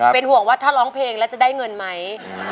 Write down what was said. เป็นห่วงว่าถ้าร้องเพลงแล้วจะได้เงินไหม